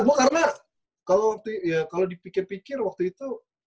oh karena kalau dipikir pikir waktu itu